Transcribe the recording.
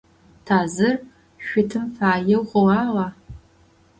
Тазыр шъутын фаеу хъугъагъа?